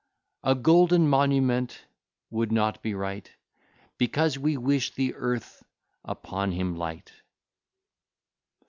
A golden monument would not be right, Because we wish the earth upon him light.